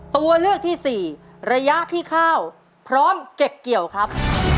ตัวเลือกที่สี่ระยะที่ข้าวพร้อมเก็บเกี่ยวครับ